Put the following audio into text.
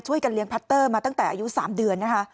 ช่วยกันเลี้ยงพัตเตอร์มาตั้งแต่อายุสามเดือนนะคะ